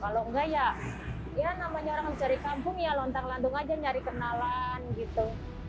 kalau enggak ya namanya orang mencari kampung ya lontang lantang aja nyari kenalan gitu